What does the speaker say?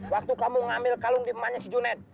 waktu kamu ngambil kalung di rumahnya si junet